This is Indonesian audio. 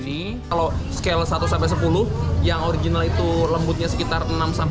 ini kalau scale satu sampai sepuluh yang original itu lembutnya sekitar enam